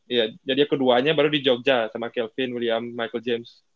iya jadi keduanya baru di jogja sama kelvin william michael james